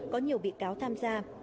có nhiều bị cáo tham gia